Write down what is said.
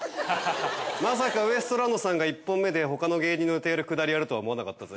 まさかウエストランドさんが１本目で他の芸人のネタやるくだりやるとは思わなかったぜ。